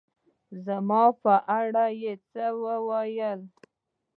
زما په اړه يې څه ووېل